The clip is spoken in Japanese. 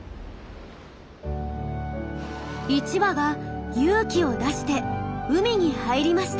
１羽が勇気を出して海に入りました。